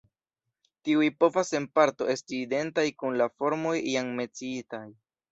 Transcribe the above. Tiuj povas en parto esti identaj kun la formoj jam menciitaj.